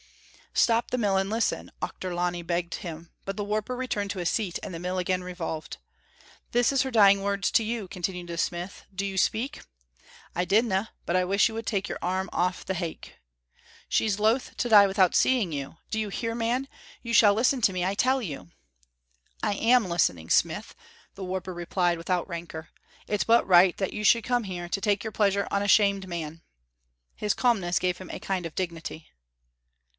"Stop the mill and listen," Auchterlonie begged him, but the warper returned to his seat and the mill again revolved. "This is her dying words to you," continued the smith. "Did you speak?" "I didna, but I wish you would take your arm off the haik." "She's loath to die without seeing you. Do you hear, man? You shall listen to me, I tell you." "I am listening, smith," the warper replied, without rancour. "It's but right that you should come here to take your pleasure on a shamed man." His calmness gave him a kind of dignity.